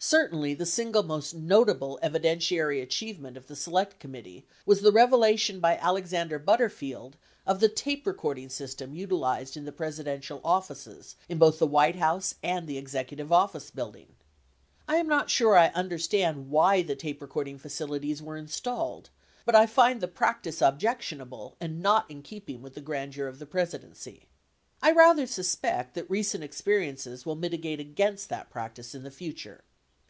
Certainly the single most notable evidentiary achievement of the Select Committee was the revelation by Alexander Butterfield of the tape recording system utilized in Presidential offices in both the White House and the Executive Office Building. I am not sure I understand why the tape recording facilities were installed, but I find the prac tice objectionable and not in keeping with the grandeur of the Presi dency. I rather suspect that recent experiences will mitigate against that practice in the future.